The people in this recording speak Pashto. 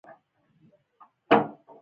مچمچۍ د خپلو همکارانو مرسته کوي